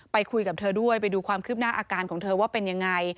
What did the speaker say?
ไปคุยกับเธอด้วยไปดูความคืบหน้าอาการของเธอว่าเป็นยังไง